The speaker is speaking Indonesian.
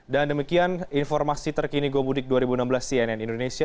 dan demikian informasi terkini gomudik dua ribu enam belas cnn indonesia